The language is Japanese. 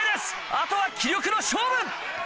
あとは気力の勝負！